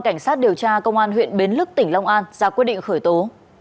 cảnh sát điều tra công an huyện bến lức tỉnh long an ra quyết định khởi tố